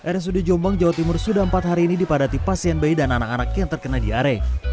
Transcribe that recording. rsud jombang jawa timur sudah empat hari ini dipadati pasien bayi dan anak anak yang terkena diare